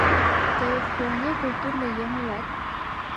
Тый вполне культурный еҥ улат.